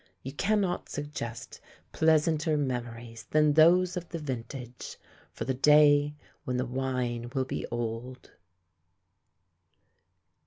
You cannot suggest pleasanter memories than those of the vintage, for the day when the wine will be old.